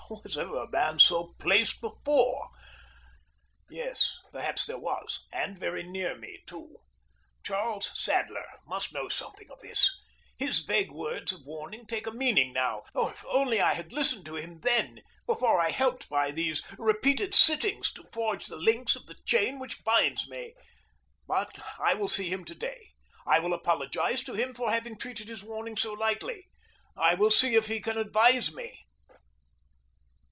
Was ever a man so placed before? Yes, perhaps there was, and very near me, too. Charles Sadler must know something of this! His vague words of warning take a meaning now. Oh, if I had only listened to him then, before I helped by these repeated sittings to forge the links of the chain which binds me! But I will see him to day. I will apologize to him for having treated his warning so lightly. I will see if he can advise me.